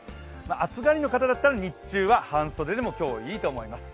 暑がりの方だったら日中は今日半袖でもいいと思います。